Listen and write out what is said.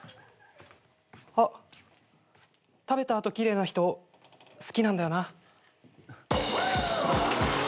あっ食べた後奇麗な人好きなんだよな。